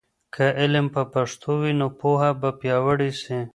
که علم په پښتو وي، نو پوهه به پیاوړې سي.